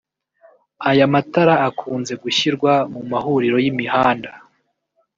Aya matara akunze gushyirwa mu mahuriro y’imihanda